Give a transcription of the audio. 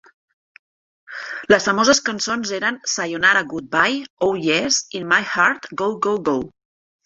Les famoses cançons eren "Sayonara Goodbye", "Oh Yes", "In My Heart", "Go Go Go!